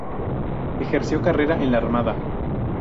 Ejerció carrera en la Armada.